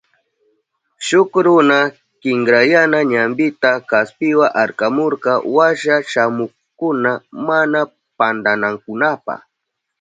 Shuk runa kinkrayana ñampita kaspiwa arkamurka washa shamuhukkuna mana pantanankunapa.